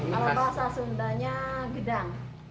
bahasa sundanya gedang